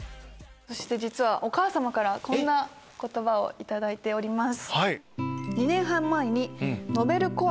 実はお母さまからこんな言葉を頂いております。